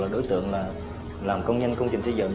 đối tượng làm công nhân công trình xây dựng